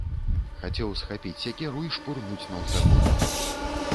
Хацеў схапіць сякеру і шпурнуць наўздагон.